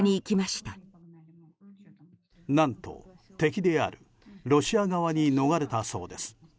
何と、敵であるロシア側に逃れたそうです。